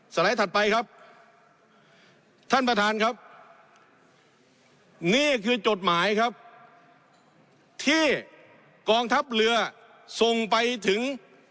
ไลด์ถัดไปครับท่านประธานครับนี่คือจดหมายครับที่กองทัพเรือส่งไปถึง